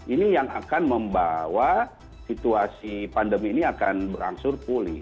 ini yang akan membawa situasi pandemi ini akan berangsur pulih